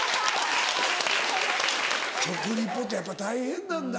食リポってやっぱ大変なんだ。